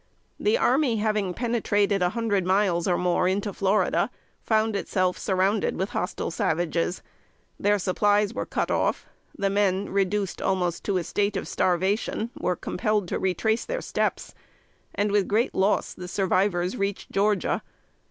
The army having penetrated a hundred miles or more into Florida, found itself surrounded with hostile savages. Their supplies were cut off; the men, reduced almost to a state of starvation, were compelled to retrace their steps; and with great loss the survivors reached Georgia.